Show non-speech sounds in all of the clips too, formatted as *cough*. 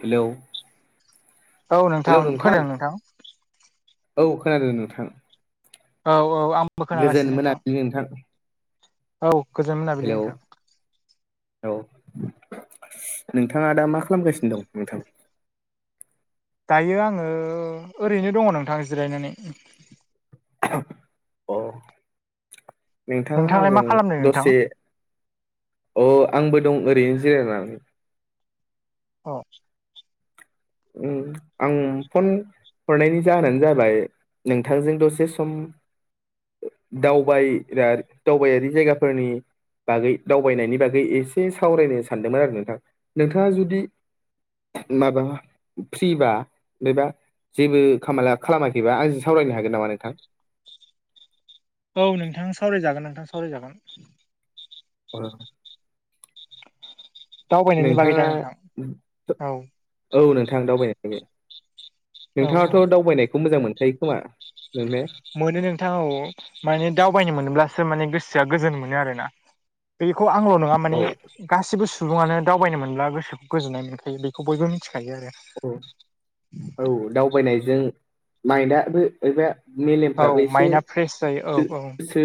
Hello hello नोंथां औ खोनादों नोंथां औ औ आंबो खोनागासिनो गोजोन मोनाबिलि नोंथां औ गोजोन मोनाबिलि हेलौ नोंथां। औ नोंथाङा दा मा खालामगासिनो दं नोंथां? दायो आङो ओरैनो दङ नोंथां जिरायनानै अह नोंथाङा नोंथाङालाय मा ओजों खालामदों नोंथां दसे अ आंबो दं ओरैनो जिरायनानै औ उम आं फन हरनायनि जाहोनानो जाबाय नोंथांजों दसे सम दावबाय दावबायारि जायगाफोरनि बागै दावबायनायनि बागै एसे सावरायनो सानदोंमोन आरो नोंथां नोंथाङा जुदि माबा फ्रिबा बेबा जेबो खामा खालामाखैबा आं सावरायनो हागोन नामा नोंथां? औ नोंथां सावरायजागोन नोंथां सावरायजागोन। अ दावबायनायनि बागै दा नोंथाङा नोंथां औ औ नोंथां दावबायनाय औ औ नोंथाङाथ' दावबायनायखौ मोजां मोनखायो खोमा? नोंने मोनो नोंथां औ माने दावबायनो मोनोब्लासो माने गोसोआ गोजोन मोनो आरोना। बेखौ आंल' नङा औ माने गासिबो सु सुबुंङानो दावबायनो मोनब्ला गोसोखौ गोजोननाय मोनखायो बेखौ बयबो मिथिखायो आरो औ औ दावबायनायजों माइनड दाबो एबा औ मेलेमफ्राबो एसे माइन्दआ फ्रेस जायो औ औ सो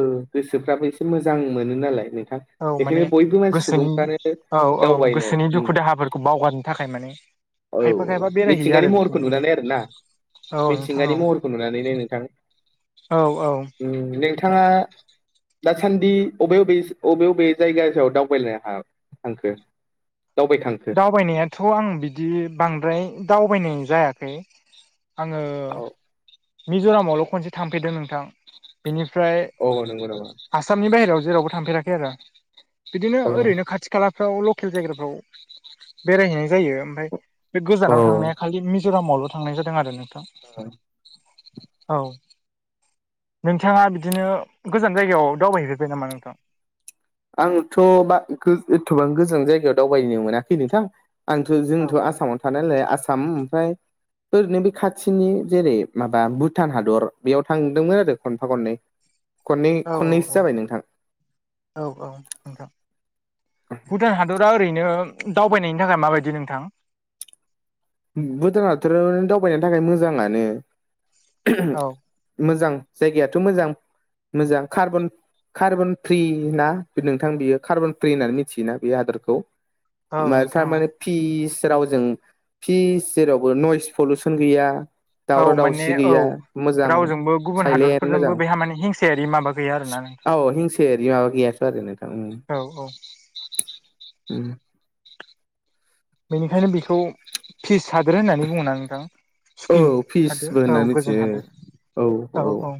ओ गोसोफ्राबो एसे मोजां मोनो नालाय नोंथां। औ माने बेखायनो बयबो मानसि गोसोनि सुबुंफ्रानो औ औ दावबायनो गोसोनि उम दुखु दाहाफोरखौ बावगारनो थाखाय माने औ खायफा खायफा बेरायहैयो आरो मिथिंगानि महरखौ बिदिनो नुनानै आरो ना औ नोंथां मिथिंगानि औ महरखौ नुनानैनो नोंथां औ औ ओम नोंथाङा दासान्दि बबे बबे बबे बबे जायगा सायाव दावबायलायनो ह थांखो? दावबायखा दावबायनायाथ' आं बिदि बांद्राय दावबायनाय जायाखै। आंङो औ मिज'रामावल' खनसे थांफेरदों नोंथां बेनिफ्राय औ नंगौ नामा आसामनि बाहेरायाव जेरावबो थांफेराखै आरो बिदिनो औ ओरैनो खाथि खालाफ्राव लकेल जायगाफ्राव बेरायहैनाय जायो ओमफफ्राय बे औ गोजानाव थांनाया खालि मिज'रामावल' थांनाय जादों आरो नोंथ *inaudible* औ नोंथाङा बिदिनो गोजान जायगायाव दावबायहैफैबाय नामा नोंथां? आंथ' बा एथ'बां गोजान जायगायाव दावबायनो मोनाखै नोंथां। आंथ' औ जोंथ' औ आसामाव थानायलाय आसाम ओमफ्राय ओरैनो बे खाथिनि जेरै माबा भुटान हादर बेयाव थांदोंमोन आरो खनफा खननै खननै औ औ खननैसो औ जाबाय नोंथां औ औ नोंथां भुटान हादरा ओरैनो दावबायनायनि थाखाय माबायदि नोंथां? भुटानहादोर आव दावबायनो थाखाय मोजाङानो औ मोजां जायगायाथ' मोजां मोजां कार्बन कार्बन फ्रि ना नोंथां बियो कार्बन फ्रि होननानै मिथियोना बे हादोरखौ? औ नोंथां थारमाने फिस रावजों फिस जेरावबो नयस पलउसन गैया औ दावराव माने दावसि औ गैया मोजां रावजोंबो गुबुन सायलेट हादरफोरजोंबो मोजां बेहा माने हिंसायारि माबा गैया आरोना नोंथां। औ हिंसायारि माबा गैयाथ' आरो नोंथां उम औ औ बेनिखायनो बेखौ फिस सादोरो होननानै बुङोना नोंथां? औ सुखि फिसबो हादोर औ होननानै मिथियो गोजोन हादोर औ औ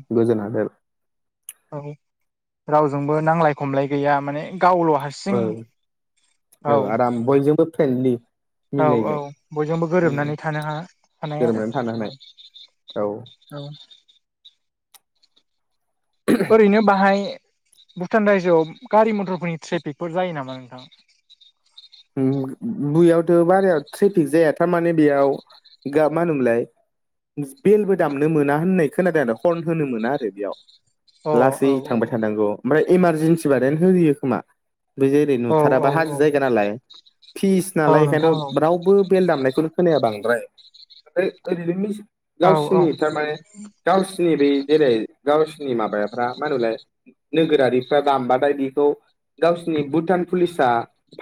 औ रावजोंबो नांलाय खमलाय गैया माने गावल' हारसिं औ औ आराम बयजोंबो फ्रेन्डलि औ औ मिलायनाय बयजोंबो उम गोरोबनानै थानो ह हानाय आरो गोरोबनानै थानो हानाय औ औ ओरैनो बाहाय भुटान रायजोआव गारि मथरफोरनि ट्रेफिकफोर जायो नामा नोंथां? बुयावथ' बाराया ट्रेफिक जाया थारमाने बेयाव मा होनोमोनलाय बेलबो दामनो मोना होननाय खोनादों आरो हरन होनो मोना आरो बेयाव अ औ लासै थांबाय औ थानांगौ ओमफ्राय इमारजेन्सि बादायनो होयो खोमा बे जेरै औ औ नुथाराबा औ हाजो जायगा नालाय फिस नालाय औ नोंथां औ इखायनोथ' रावबो बेल दामनायखौनो खोनाया बांद्राय ओमफ्राय ओरैनो मि औ गावसोरनि थारमाने गावसिनि बै जेरै गावसिनि माबाफ्रा मा होनोमलाय नोगोरारिफ्रा दामबाथाय बेखौ गावसोरनि भुटान पुलिसा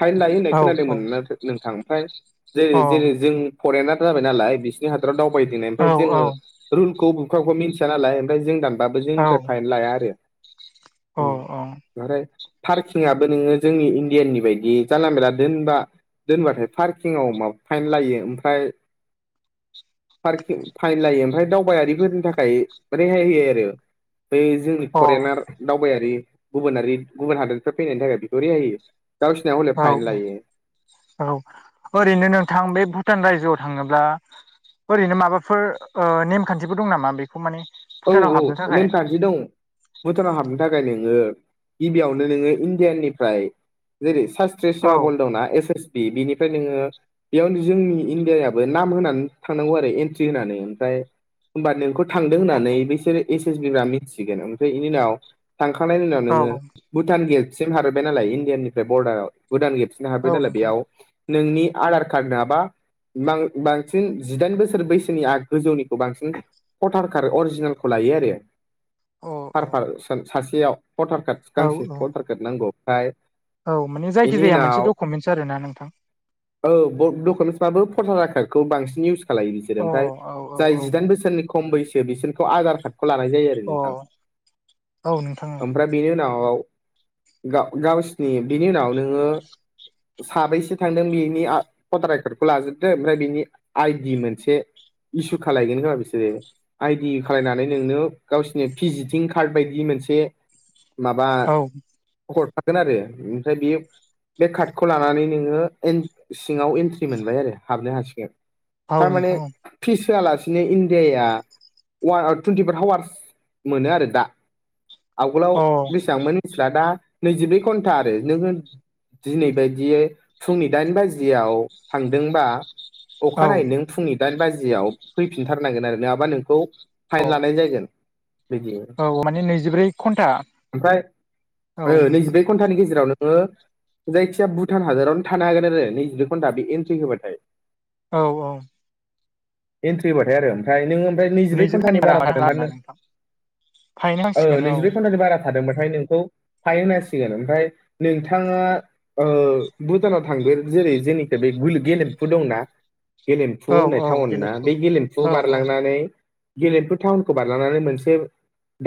फाइन लायो होननाय औ औ खोनादोंमोना नोंथां ओमफ्राय जेरै अ जेरै जों फरेेनार जाबाय नालाय बिसोरनि हादराव दावबायदिनाय औ अ ओमफ्राय जोंङो रुलखौ अबखोबा अबखोबा मिन्थिया नालाय ओमफ्राय जों दानबाबो जोंनिफ्राय फाइन लाया आरो अ औ ओमफ्राय पार्किबो नोंङो जोंनि इण्डियााननि बायदि जानला मला दोनबा दोनबाथाय पार्किंआव माबा फाइन लायो ओमफ्राय पार्किं फाइन लायो ओमफ्राय दावबायारिफोरनि थाखाय रेहाय होयो आरो बै जोंनि औ फरेनार दावबायारि गुबुनारि गुबुन हादोरनिफ्राय फैनायनि थाखाय बेखौ रेहायो गावसिनिया हले फाइन औ लायो। औ ओरैनो नोंथां बे भुटान रायजोआव थाङोब्ला ओरैनो माबाफोर ओ नेमखान्थिबो दं नामा बेखौ माने औ भुटानाव औ हाबनो थाखाय नेमखान्थि दं। भुटानाव हाबनो थाखाय नोङो गिबियावनो नोङो इण्डियाननिफ्राय जेरै सा टेस औ सिमा बल दंना एस एस प बिनिफ्राय नोङो बेयावनो जोंनि इण्डियाबो नाम होनानै थांनांगौ आरो एन्ट्रि होनानै ओमफ्राय होमबा नोंखौ थांदों होन्नानै बैसोर एस एस बि *unintelligible* मिथिगोन ओमफ्राय बेनि उनाव थांखांनायनि उनाव औ नोङो भुटान गेटसिम हाबोबबाय नालाय इण्डियानिफ्राय बरडाराव भुटान गेटसिम हाबबाय औ नालाय नोंथां बेयाव नोंनि आधार कार्ड नोङाबा बांसिन जिदाइन बोसोर बैसोनि आ गोजौनिखौ बांसिन हथारखार अरजि *unintelligible* लायो औ आरो सासेयाव भटार कार्ड औ गांसे औ भटार *unintelligible* *unintelligible* नांगौ औ माने बेनि जायखिजाया मोनसे उनाव डकुमेन्टस आरो ना नोंथां औ *unintelligible* डकुमेन्सबाबो फटार आयकारखौ बांसिन इउस खालायो बिसोरो अ ओमफ्राय औ औ जाय औ जिदाइन बोसोरनि खम बैसो बिसोरखौ आधार कार्डखौ लानाय जायो आरो *unintelligible* नोंथां अ औ नोंथां आमफ्राय बिनि उनावाव गाव-गावसिनि बिनि उनाव नोङो साबैसे थांदों बेनि आ पटार आयकारखौ लाजोबदो ओमफ्राय बिनि आइदि मोनसे इसु खालायगोन खोमा बिसोरो आइदि खालायनानै नोंनो गावसिरनि भिजिटिं कार्ड बायदि मोनसे माबा औ हरफागोन आरो ओमफ्राय बेयो बे कार्डखौ लानानै नोङो एन सिङाव एन्ट्रि मोनबाय आरो हाबनो हासिगोन। औ थारमाने नोंथां औ फिस होआलासिनो इण्डियाया वा टुन्टिफर हावार्स मोनो आरो दा आवगोलाव अ बेसेबांमोन निस्ला दा नैजिब्रै घन्टा आरो नोङो दिनै बायदियै फुंनि दाइन बाजियाव थांदोंबा औ अखानायै नों फुंनि दाइन बाजियाव फैफिनथारनांगोन आरो नोङाबा नोंखौ फाइन लानाय जागोन बिदि अ औ माने नैजिब्रै घन्टा ओमफ्राय औ ओ घन्टानि गेजेराव नोङो जायखिया भुटान हादरावनो थानो हागोन आरो नैजब्रै घन्टा बे एन्ट्रि होबाथाय औ औ एन्ट्रि होबाथाय आरो ओमफ्राय नोङो ओमफ्राय नैजिब्रै घन्थानि घन्टानि बारा हाबनो हाला थादोंबा आरोना नों नोंथां फायनो ओ नांसिगोन औ नैजिब्रै घन्टानि बारा थादोंबाथाय नोंखौ फाइ होनांसिगोन ओमफ्राय नोंथाङा ओ भुटानाव थादो जेरै जेनिफ्राय बे गेलेमफु दंना गेलेम्फु औ होननाय औ टाउनना गेलेखौ बे गेलेम्फु औ औ बारलांनानै गेलेमफु थटाउनखौ बारलांनानै मोनसे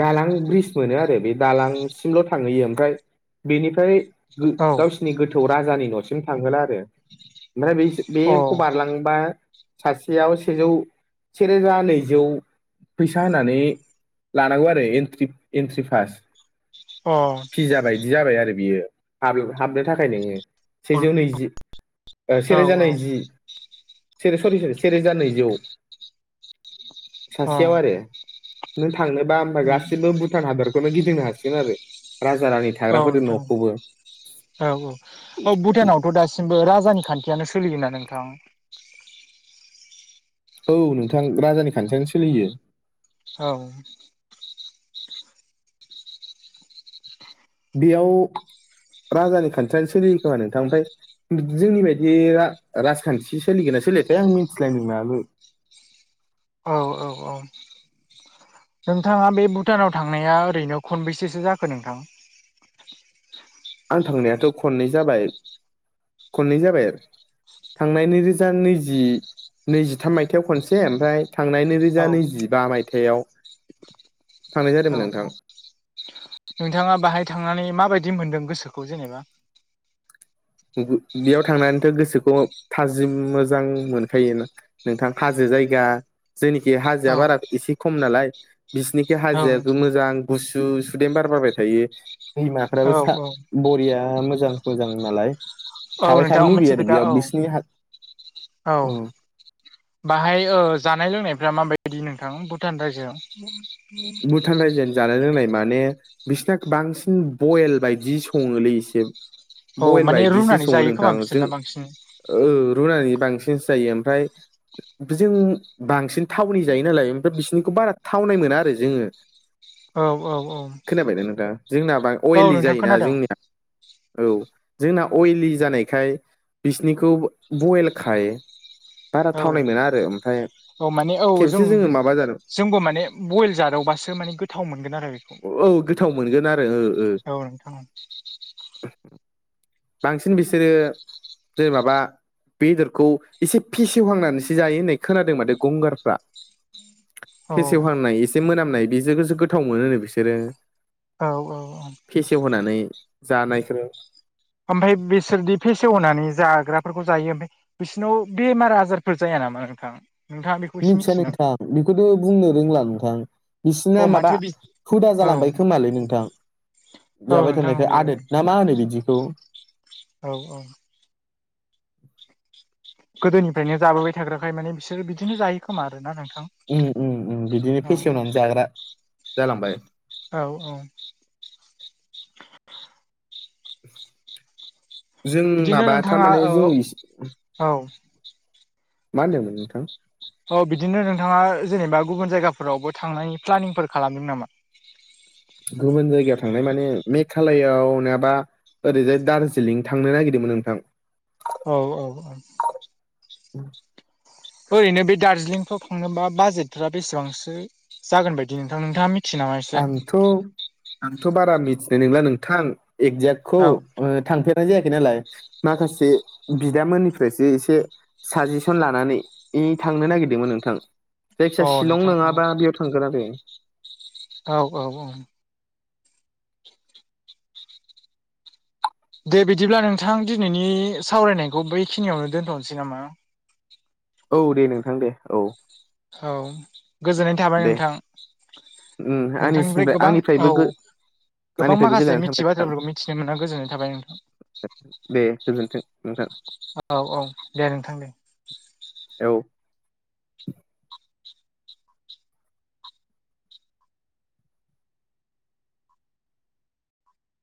दालां ब्रिज मोनो आरो बे दालांसिमल' थांहैयो ओमफ्राय बेनिफ्राय गो औ अ गावसिनि गोथौ राजानि न'सिम थांहोला आरो ओमफ्राय बे बेखौ बारलांबा सासेयाव सेजौ सेरोजा नैजौ फैसा होनानै लानांगौ आरो एन्ट्रि एन्ट्रि पास अ भिजाबायबिदि जाबाय आरो बियो हाब-हाबनो थाखाय नोङो सेजौ नैजि ओ औ सेरोजा औ नैजि सरि सरि सेरोजा नैजौ अ सासेयाव आरो नों थांनोबा ओमबा उम गासिबो भुटान हादरखौनो गिदिंनो हासिगोन आरो राजा रानि औ थाग्राफोरदो नोंथां न'खौबो औ औ औ भुटानावथ' दासिमबो राजानि खान्थियानो सोलियोना नोंथां? औ नोंथां राजानि खान्थियानो सोलियो। औ। बेयाव राजानि खान्थियानो सोलियो खोमा नोंथां ओमफ्राय जोंनि बायदि रा-राजखान्थि सोलिगोन ना सोलियाथाय आं मोनथिलाय नोंलाबो। औ औ औ। नोंथाङा बे भुटानाव थांनाया ओरैनो खनबेसेसो जाखो नोंथां? आं थांनायाथ' खननै जाबाय खननै जाबाय। थांनाय नैरोजा नैजि नैजिथाम मायथाइयाव खनसे ओमफ्राय थांनाय नैरोजा औ नैजिबा मायथाइयाव थांनाय औ जादोंमोन नोंथां। औ नोंथाङा बाहाय थांनानै माबायदि मोनदों गोसोखौ जेनेबा? बे-बेयाव थांनानैथ' गोसोखौ थाजिम मोजां मोनखायोना। नोंथां हाजो जायगा जोंनिखि हाजोआ औ बारा एसे खम नालाय बिसिनिखै औ हाजोयाबो नोंथां मोजां। गुसु सुदेम बार बारबाय थायो औ दैमाफ्राबो सा बरिया मोजां मोजां नालाय। औ थाबाय थानो नोंथां लुबैयो मोनसे आरो खोथा बेयाव औ बिसिनि हा औ। बाहाय जानाय लोंनायफ्रा माबायदि नोंथां भुटान रायजोआव। भुटान रायजोआनि जानाय लोंनाय माने बिसिना बांसिन बयेल बायदि सङोलै एसे। औ बयल माने बायदिसो रुनानै सङो जायो खोमा नोंथां। जों बिसोरना बांसिन रुनानै बांसिनसो जायो। ओमफ्राय जों बांसिन थावनि जायो नालाय ओमफ्राय बिसिनिखौ बारा थावनाय मोना आरो जोङो। औ औ औ खोनाबायना नोंथां जोंना बा औ अयलि नोंथां जायोना खोनादों जोंनिया। औ जोंना अइलि जानायखाय बिसिनिखौ बयेल खाय बारा औ थावनाय मोना आरो ओमफ्राय औ माने औ जों खेबसे जोङो माबा जादों जोंबो माने बयल जादावबासो माने गोथाव मोनगोन आरो। औ गोथाव मोनगोन आरो ओ ओ। औ नोंथां बांसिन बिसोरो जेरै माबा बेदरखौ एसे फेसेवहांनानैसो जायो होननाय खोनादों माथो गंगारफ्रा। औ औ फेसेवहांनाय एसे मोनामनाय बेजोखोसो गोथाव मोनोनो बिसोरो। औ औ औ। फेसेव होनानै जानायखौ। ओमफ्राय बिसोरदि फेसेवनानै जाग्राफोरखौ जायो ओमफ्राय बिसिनाव बेमार आजारफोर जाया नामा नोंथां? नोंथाङा बेखौ एसे मिथिया मिथियो नामा नोंथां बेखौथ' बुंनो रोंला नोंथां बिसिना औ माबा माथो बि हुदा औ जालांबाय खोमालै नोंथां औ जाबाय नोंथां थानायखाय औ आदोद ना मा होनो बिदिखौ? औ औ। गोदोनिफ्रायनो जाबोबाय थाग्राखाय माने बिसोरो बिदिनो जायो खोमा आरो ना नोंथां। उम उम उम बिदिनो औ फेसेवनानै जाग्रा जालांबाय। औ औ। *inaudible* जों बिदिनो माबा नोंथाङा थारमाने औ जों औ मा होनदोंमोन नोंथां? औ बिदिनो नोंथाङा जेनेबा गुबुन जायगाफोरावबो थांनायनि प्लानिंफोर खालामदों नामा? गुबुन जायगायाव थांनाय माने मेघालयाव नंङाबा ओरैजाय दारजिलिं थांनो नागिरदोंमोन नोंथां। औ औ औ। *inaudible* ओरैनो बे दार्जिलिंफ्राव थांनोबा बाजेटफ्रा बेसेबांसो जागोन बायदि नोंथां? नोंथाङा मि थिनामासे आंथ' बारा मिथिनाय नंला नोंथां एगजेक्टखौ औ थांफेर फेरनाय जायाखै नालाय माखासे बिदामोननिफ्रायसो एसे साजेसन लानानै थांनो नागिरदोंमोन नोंथां औ जायखिजाया शिलं नोंथां नङाबा बेयाव थांगोना आरै। औ औ औ। दे बिदिब्ला नोंथां दिनैनि सावरायनायखौ बैखिनियावनो दोनथ'नोसै नामा? औ दे नोंथां दे औ। औ गोजोननाय थाबाय दे नोंथां। उम नोंथांनिफ्राय आंनिसिमफ्राय गोबां आंनिफ्रायबो औ गो गोबां आंनिफ्रायबो माखासे गोजानानै मिथियि थांबाय नोंथां बाथ्राफोरखौ मिथिनो मोना गोजोननाय थाबाय। दे गोजोनथों नोंथां। औ औ दे नोंथां दे। औ।